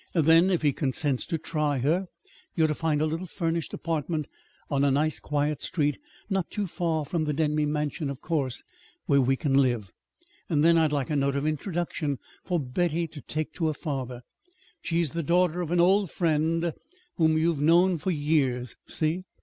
Then, if he consents to try her, you're to find a little furnished apartment on a nice, quiet street, not too far from the Denby Mansion, of course, where we can live. Then I'd like a note of introduction for Betty to take to her father: she's the daughter of an old friend whom you've known for years see?